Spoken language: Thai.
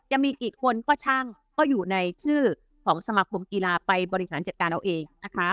จะมีกี่คนก็ช่างก็อยู่ในชื่อของสมาคมกีฬาไปบริหารจัดการเอาเองนะคะ